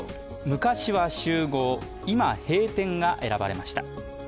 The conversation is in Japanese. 昔は集合今閉店」が選ばれました。